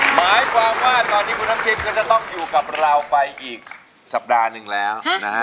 หมายความว่าตอนนี้คุณน้ำจิ้มก็จะต้องอยู่กับเราไปอีกสัปดาห์หนึ่งแล้วนะฮะ